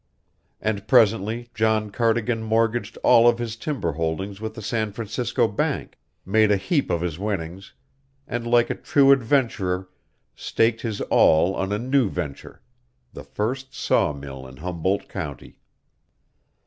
And presently John Cardigan mortgaged all of his timber holdings with a San Francisco bank, made a heap of his winnings, and like a true adventurer staked his all on a new venture the first sawmill in Humboldt County.